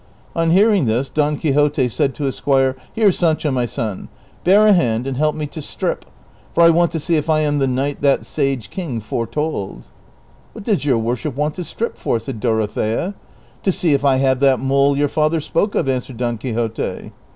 ^ On hearing this, Don Quixote said to his squire, " Here, Sancho my son, bear a hand and help me to strip, for I want to see if I am the knight that sage king foretold." " What does your worship want to strip for ?" said Dorothea. " To see if I have that mole your father spoke of," answered Don Quixote.